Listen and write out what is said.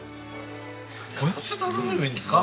どうやって食べればいいんですか？